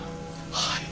はい。